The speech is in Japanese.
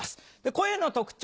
声の特徴